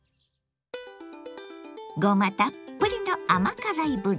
ごまたっぷりの甘辛いぶり。